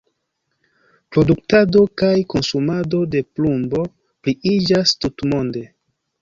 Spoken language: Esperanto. Produktado kaj konsumado de plumbo pliiĝas tutmonde.